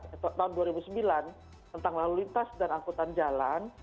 atau tahun dua ribu sembilan tentang lalu lintas dan angkutan jalan